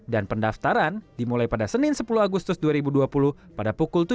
dan pendaftaran dimulai pada senin sepuluh agustus dua ribu dua puluh pada pukul sepuluh